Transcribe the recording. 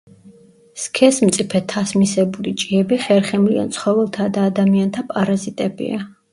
სქესმწიფე თასმისებური ჭიები ხერხემლიან ცხოველთა და ადამიანთა პარაზიტებია.